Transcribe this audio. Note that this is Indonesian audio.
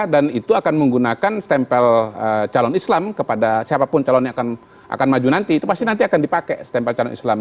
dan itu akan menggunakan stempel calon islam kepada siapapun calon yang akan maju nanti itu pasti nanti akan dipakai stempel calon islam